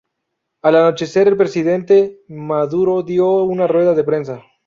Al anochecer, el presidente Maduro dio una rueda de prensa.